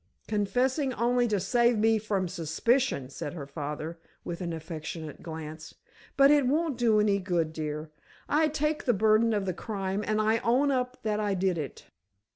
"Confessing only to save me from suspicion," said her father, with an affectionate glance. "But it won't do any good, dear. I take the burden of the crime and I own up that I did it.